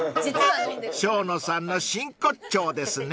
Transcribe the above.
［生野さんの真骨頂ですね］